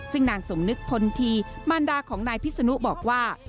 ซึ่งนางสมนึกพลทีมารดาของนายพิษนุบอกว่า